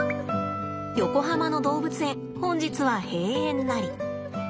横浜の動物園本日は閉園なり。